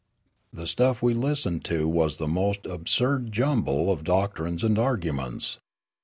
" The stuff we listened to was the most absurd jumble of doctrines and arguments.